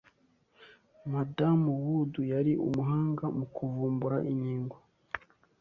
Madamu Wood yari umuhanga mukuvumbura inkingo